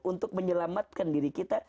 untuk menyelamatkan diri kita